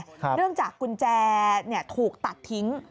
เนื่องจากกุญแจถูกตัดทิ้ง